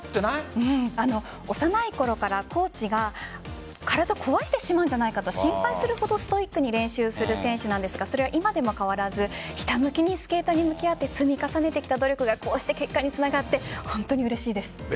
幼いころからコーチが体を壊してしまうんじゃないかと心配するほどストイックに練習する選手なんですがそれは今でも変わらずひたむきにスケートに向き合って積み重ねてきた努力がこうして結果につながって本当にうれしいです。